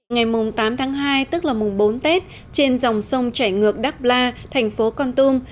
ngày tám tháng hai tức là mùng bốn tết trên dòng sông chảy ngược đắk la thành phố con tum